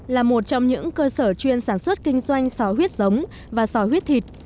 là một trong những cơ sở chuyên sản xuất kinh doanh xó huyết giống và xó huyết thịt